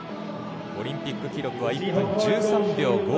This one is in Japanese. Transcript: オリンピック記録は１分１３秒５６。